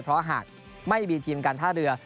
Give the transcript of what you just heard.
เพราะหากไม่มีทีมการท่าเรือ